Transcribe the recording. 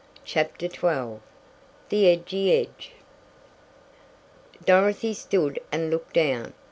CHAPTER XII THE EDGY EDGE! Dorothy stood and looked down.